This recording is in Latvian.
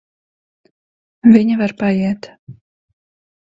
Viņa var paiet.